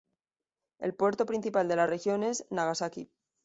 El puerto principal de la región es Nagasaki.